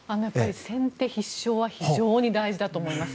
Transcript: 先手必勝は非常に大事だと思います。